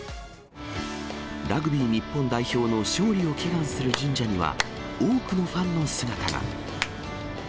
ラグビー日本代表の勝利を祈願する神社には、多くのファンの姿が。